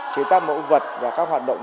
chế tác mẫu vật và các hoạt động